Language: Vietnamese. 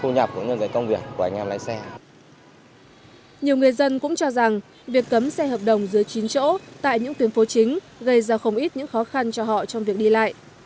nhiều người dân cũng cho rằng việc cấm xe hợp đồng dưới chín chỗ tại những tuyến phố chính gây ra không ít những khó khăn cho họ trong việc đi lại